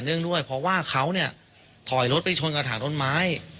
ด้วยเพราะว่าเขาเนี่ยถอยรถไปชนกระถางต้นไม้